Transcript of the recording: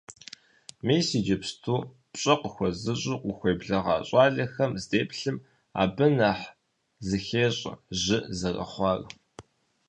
Мис иджыпсту, пщӀэ къыхуэзыщӀу къыхуеблэгъа щӀалэхэм здеплъым, абы нэхъ зыхещӀэ жьы зэрыхъуар.